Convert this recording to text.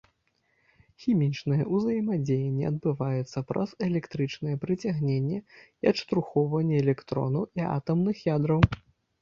Хімічнае ўзаемадзеянне адбываецца праз электрычнае прыцягненне і адштурхоўванне электронаў і атамных ядраў.